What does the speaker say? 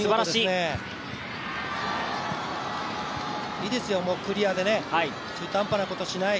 いいですよ、もうクリアでね、中途半端なことしない。